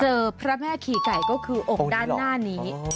พระแม่ขี่ไก่ก็คืออกด้านหน้านี้